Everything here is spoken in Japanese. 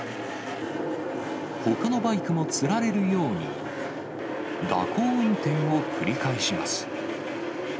ほかのバイクもつられるように、蛇行運転を繰り返します。